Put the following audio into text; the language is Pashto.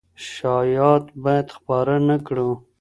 شايعات بايد خپاره نه کړو.